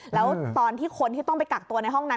แล้วตอนที่คนที่ต้องไปกักตัวในห้องนั้น